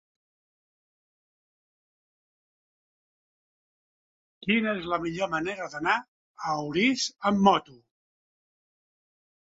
Quina és la millor manera d'anar a Orís amb moto?